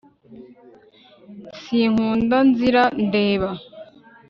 sinkunda nzira ndeba